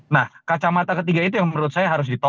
nah kacamata ketiga itu yang menurut saya harus ditolak